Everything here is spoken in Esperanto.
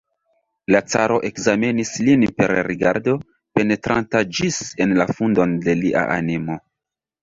La caro ekzamenis lin per rigardo, penetranta ĝis en la fundon de lia animo.